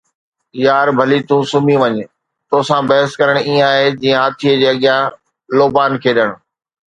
يار، ڀلي تون سمهي وڃ، توسان بحث ڪرڻ ائين آهي جيئن هاٿي جي اڳيان لوبان کيڏڻ.